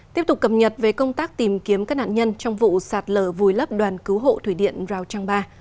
tiếp tục cập nhật về công tác tìm kiếm các nạn nhân trong vụ sạt lở vùi lấp đoàn cứu hộ thủy điện rào trang ba